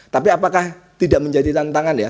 tapi apakah tidak menjadi tantangan ya